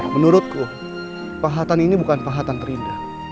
menurutku pahatan ini bukan pahatan terindah